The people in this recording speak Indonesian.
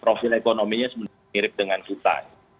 profil ekonominya sebenarnya mirip dengan kita